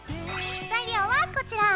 材料はこちら。